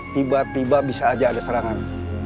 tiba tiba bisa aja ada serangan